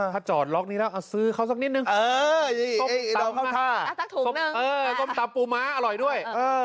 ถ้าจอดล็อกนี้แล้วซื้อเขาสักนิดนึงเดาเข้าท่าส้มตำปูม้าอร่อยด้วย